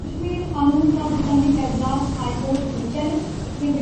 اردو ادب میں خواتین لکھاریوں کی شروع ہی سے کمی رہی ہے